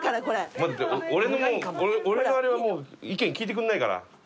俺のもう俺のあれはもう意見聞いてくんないから。